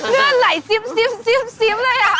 เนื้อไหลซิปเลยครับ